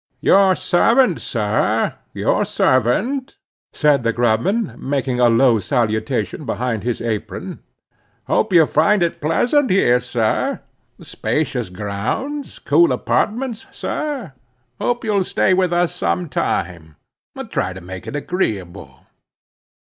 "Your sarvant, sir, your sarvant," said the grub man, making a low salutation behind his apron. "Hope you find it pleasant here, sir;—spacious grounds—cool apartments, sir—hope you'll stay with us some time—try to make it agreeable.